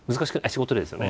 仕事でですよね？